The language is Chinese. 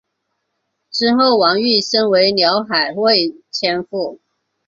之后王瑜升为辽海卫千户。